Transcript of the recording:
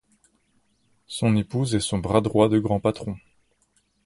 Son épouse est son bras droit de grand patron.